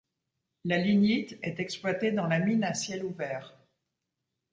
La lignite est exploitée dans la mine à ciel ouvert.